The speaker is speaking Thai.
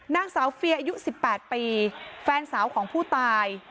นางสาวเฟียอายุ๑๘ปีแฟนสาวของผู้ตาย